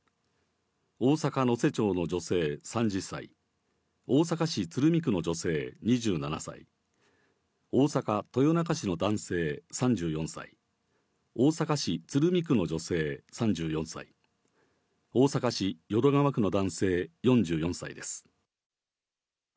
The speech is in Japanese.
大阪・能勢町の女性、３０歳大阪市鶴見区の女性、２７歳大阪・豊中市の男性、３４歳大阪市鶴見区の女性、３４歳大阪市淀川区の男性、４４歳です。